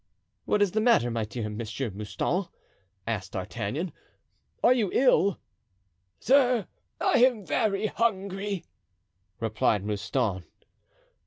"What is the matter, my dear M. Mouston?" asked D'Artagnan. "Are you ill?" "Sir, I am very hungry," replied Mouston.